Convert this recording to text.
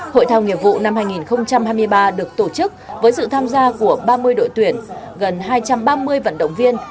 hội thao nghiệp vụ năm hai nghìn hai mươi ba được tổ chức với sự tham gia của ba mươi đội tuyển gần hai trăm ba mươi vận động viên